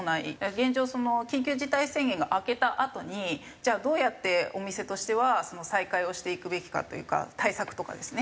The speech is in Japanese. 現状緊急事態宣言が明けたあとにじゃあどうやってお店としては再開をしていくべきかというか対策とかですね。